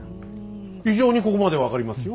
非常にここまで分かりますよ。